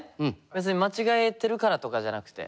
別に間違えてるからとかじゃなくて。